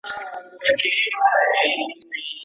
پکښی پورته به د خپل بلال آذان سي